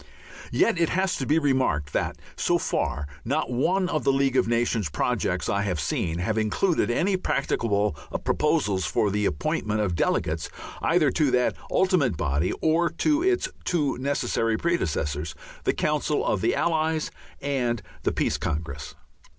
Yet it has to be remarked that, so far, not one of the League of Nations projects I have seen have included any practicable proposals for the appointment of delegates either to that ultimate body or to its two necessary predecessors, the Council of the Allies and the Peace Congress.